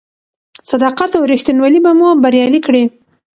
صداقت او رښتینولي به مو بریالي کړي.